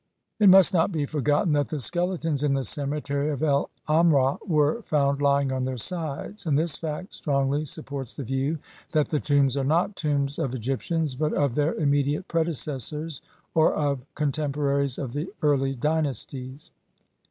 It must not be forgotten that the skeletons in the cemetery of El c Amrah were found lying on their sides, and this fact strongly sup ports the view that the tombs are not tombs of Egyp tians but of their immediate predecessors or of contem poraries of the early dynasties.